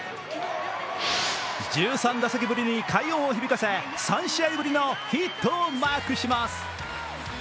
１３打席ぶりに快音を響かせ３試合ぶりのヒットをマークします